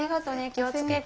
気を付けて。